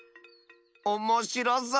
おもしろそう！